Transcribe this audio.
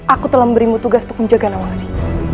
aku telah memberimu tugas untuk menjaga nawangsi